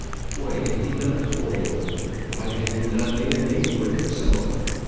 Why had he not toiled? Why had he not made a name for himself?